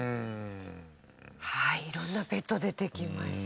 はい色んなペット出てきました。